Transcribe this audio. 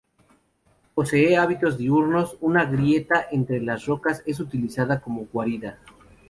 Posee hábitos diurnos; una grieta entre las rocas es utilizada como guarida.